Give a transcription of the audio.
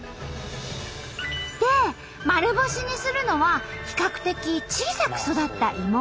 で丸干しにするのは比較的小さく育った芋。